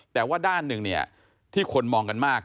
แต่ว่าด้านหนึ่งที่คนมองกันมาก